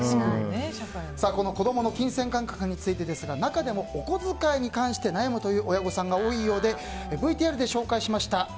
この子供の金銭感覚についてですが中でもお小遣いに関して悩むという親御さんが多いようでＶＴＲで紹介しました